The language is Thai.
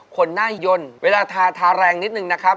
คนน่ายนไว้ถาถาแรงนิดหนึ่งนะครับ